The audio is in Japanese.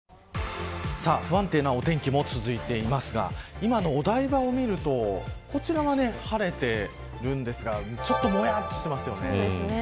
不安定なお天気も続いていますが今のお台場を見るとこちらは晴れていますがもやっとしていますよね。